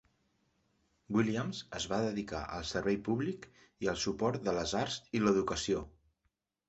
Williams es va dedicar al servei públic i al suport de les arts i l'educació.